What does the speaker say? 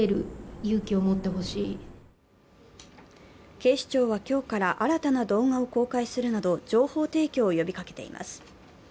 警視庁は今日から新たな動画を公開するなど情報提供を呼びかけています。